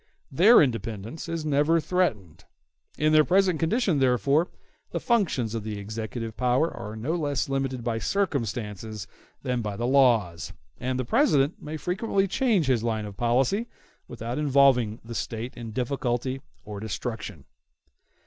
Their independence is never threatened. In their present condition, therefore, the functions of the executive power are no less limited by circumstances than by the laws; and the President may frequently change his line of policy without involving the State in difficulty or destruction.